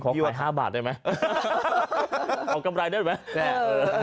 ขอขาย๕บาทได้ไหมเอากำไรได้ไหม